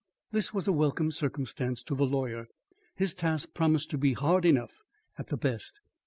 This was a welcome circumstance to the lawyer. His task promised to be hard enough at the best.